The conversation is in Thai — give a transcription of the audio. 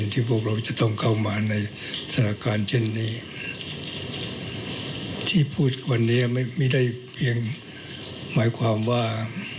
ที่พูดกับวันนี้ไม่ได้เพียงหมายความว่า